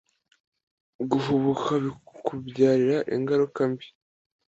Guhubuka bikubyarira ingaruka mbi